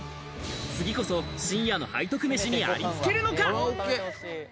次こそ、深夜の背徳めしにありつけるのか？